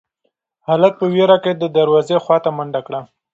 هلک په وېره کې د دروازې خواته منډه کړه.